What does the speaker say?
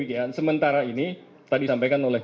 keinginan sementara ini tadi sampaikan oleh